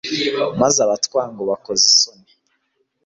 maze abatwanga ubakoza isoni